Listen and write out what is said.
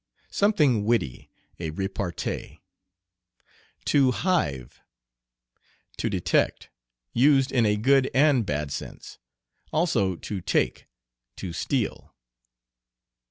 Something witty, a repartee. "To hive." To detect, used in a good and bad sense. Also to take, to steal.